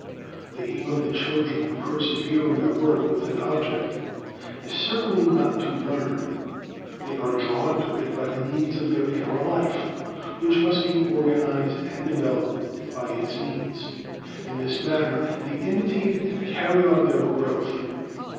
The aim of the children who persevere in their work with an object, is certainly not to "learn"; they are drawn to it by the needs of their inner life, which must be organized and developed by its means. In this manner they imitate and carry on their "growth."